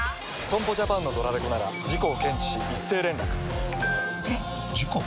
損保ジャパンのドラレコなら事故を検知し一斉連絡ピコンえっ？！事故？！